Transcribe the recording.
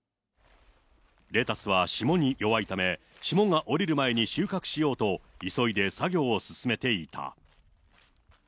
レタスは霜に弱いため、霜が降りる前に収穫しようと急いで作業を進めていた。